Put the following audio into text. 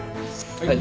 はい。